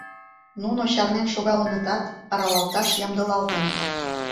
Нуно чарнен шогалынытат, аралалташ ямдылалтыныт.